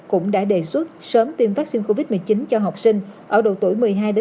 cũng đã đề xuất sớm tiêm vaccine covid một mươi chín cho học sinh ở độ tuổi một mươi hai một mươi tám